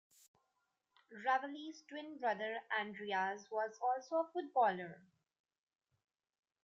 Ravelli's twin brother, Andreas, was also a footballer.